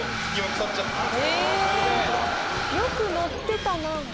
よく載ってたな。